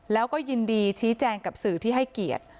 แล้วก็ยินดีชี้แจงกับสื่อที่ให้เกียรติ